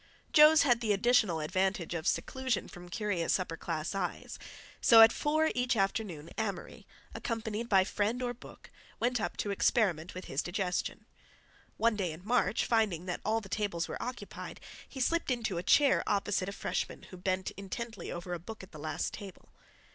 "Joe's" had the additional advantage of seclusion from curious upper class eyes, so at four each afternoon Amory, accompanied by friend or book, went up to experiment with his digestion. One day in March, finding that all the tables were occupied, he slipped into a chair opposite a freshman who bent intently over a book at the last table.